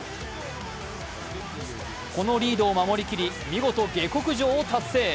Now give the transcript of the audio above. このリードを守り切り、見事下克上を達成。